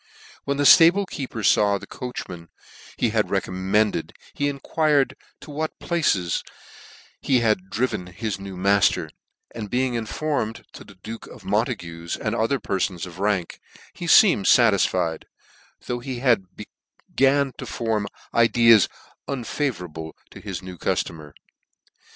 When the ftable keeper faw the coachman, he had recommended, he enquired to what places he had driven his new mailer; and being informed, to the duke of Montague's, and other perfons of rank, he feemed fatisfied ; though he had begun to form ideas unfavourable to his new cuftomer.